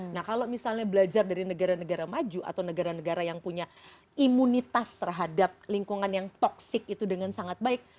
nah kalau misalnya belajar dari negara negara maju atau negara negara yang punya imunitas terhadap lingkungan yang toxic itu dengan sangat baik